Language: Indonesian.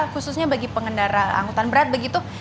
khususnya bagi pengendara angkutan berat begitu